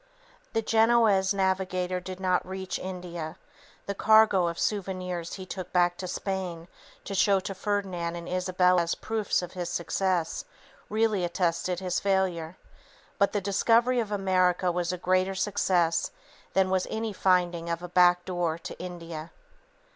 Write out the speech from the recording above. The Genoese navigator did not reach India; the cargo of "souvenirs" he took back to Spain to show to Ferdinand and Isabella as proofs of his success, really attested his failure. But the discovery of America was a greater success than was any finding of a "back door" to India.